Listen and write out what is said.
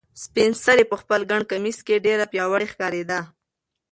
سپین سرې په خپل ګڼ کمیس کې ډېره پیاوړې ښکارېده.